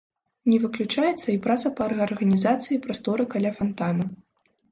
Не выключаецца і праца па рэарганізацыі прасторы каля фантана.